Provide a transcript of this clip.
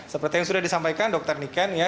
saya sampaikan dr niken ya